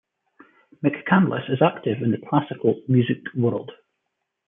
McCandless is active in the classical music world.